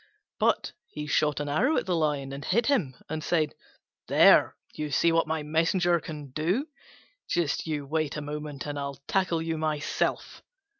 But he shot an arrow at the Lion and hit him, and said, "There, you see what my messenger can do: just you wait a moment and I'll tackle you myself."